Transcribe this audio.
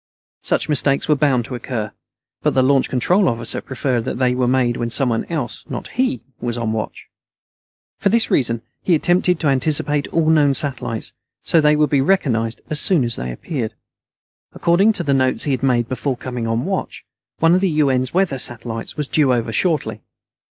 Such mistakes were bound to occur, but the Launch Control Officer preferred that they be made when someone else, not he, was on watch. For this reason he attempted to anticipate all known satellites, so they would be recognized as soon as they appeared. According to the notes he had made before coming on watch, one of the UN's weather satellites was due over shortly.